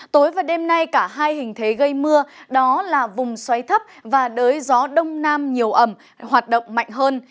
tối và đêm nay cả hai hình thế gây mưa đó là vùng xoáy thấp và đới gió đông nam nhiều ẩm hoạt động mạnh hơn